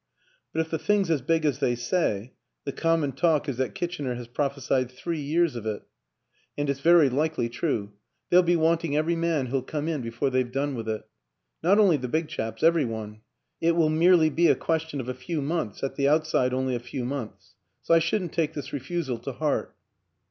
But if the thing's as big as they say the common talk is that Kitchener has prophesied three years of it, and 229 230 WILLIAM AN ENGLISHMAN it's very likely true they'll be wanting every man who'll come in before they've done with it. Not only the big chaps every one. It will merely be a question of a few months at the outside only a few months. So I shouldn't take this refusal to heart."